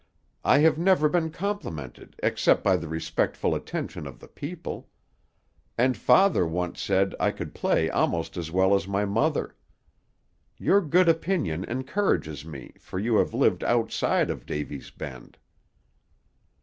"I have never been complimented except by the respectful attention of the people; and father once said I could play almost as well as my mother. Your good opinion encourages me, for you have lived outside of Davy's Bend."